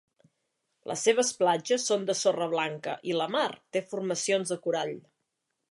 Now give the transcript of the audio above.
Les seves platges són de sorra blanca i la mar té formacions de corall.